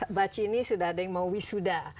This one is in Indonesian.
mbak cini sudah ada yang mau wisuda